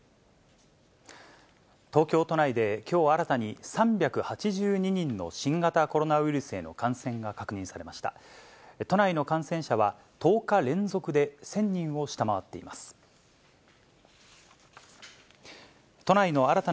東京都内できょう新たに３８２人の新型コロナウイルスへの感染が確認されました。